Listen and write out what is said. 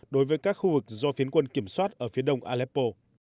đối với các khu vực do phiến quân kiểm soát ở phía đông aleppo